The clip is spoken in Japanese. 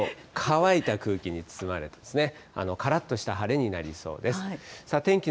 それくらい乾いた空気に包まれて、からっとした晴れになりそうです。